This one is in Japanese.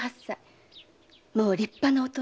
もう立派な大人。